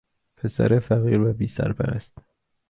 پسر فقیر و بی سرپرست